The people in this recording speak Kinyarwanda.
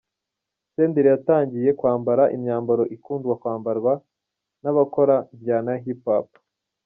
Senderi yatangiye no kwambara imyambaro ikunda kwambarwa n'abakora injyana ya Hip Hop.